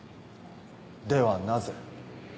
ではなぜ？